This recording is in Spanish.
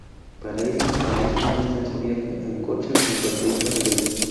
Para ello realiza un extenso viaje en coche junto a su hija Grace.